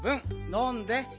のんで。